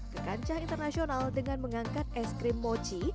ke kancah internasional dengan mengangkat es krim mochi